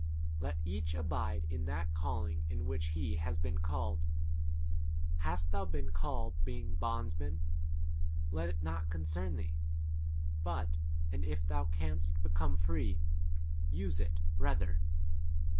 Let each abide in that calling iu which he 21 has been called. Hast thou been called [being] bondsman, let it not concern thee ; but and if thou canst become free, use [it] rather.